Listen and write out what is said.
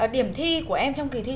điểm thi của em trong kỳ thi